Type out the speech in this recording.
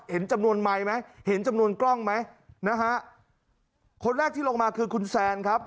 เห็นจำนวนไมค์ไหมเห็นจำนวนกล้องไหมนะฮะคนแรกที่ลงมาคือคุณแซนครับ